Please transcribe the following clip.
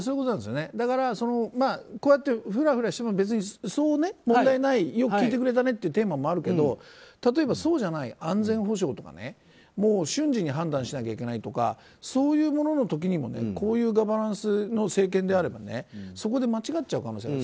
だから、ふらふらしてもそう問題ないよく聞いてくれたねっていうテーマもあるけど例えばそうじゃない安全保障とか瞬時に判断をしないといけないとかそういうものの時にこういうガバナンスの政権だとそこで間違っちゃう可能性がある。